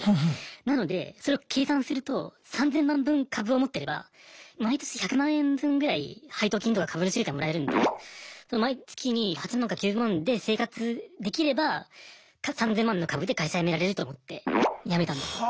なのでそれを計算すると３０００万分株を持ってれば毎年１００万円分ぐらい配当金とか株主優待もらえるんで毎月に８万か９万で生活できれば３０００万の株で会社辞められると思って辞めたんですよ。